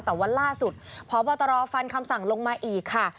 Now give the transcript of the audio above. แต่ว่าล่าสุดพบตรฟันคำสั่งลงมาอีกค่ะ